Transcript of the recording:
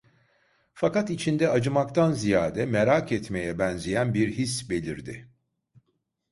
Fakat içinde acımaktan ziyade merak etmeye benzeyen bir his belirdi.